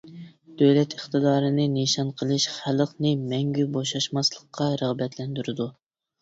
دۆلەت ئىقتىدارىنى نىشان قىلىش خەلقنى مەڭگۈ بوشاشماسلىققا رىغبەتلەندۈرىدۇ.